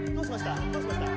どうしました？